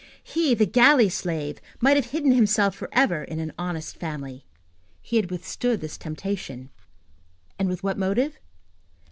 He, the galley slave, might have hidden himself forever in an honest family; he had withstood this temptation. And with what motive?